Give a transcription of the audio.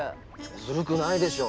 ずるくないでしょ。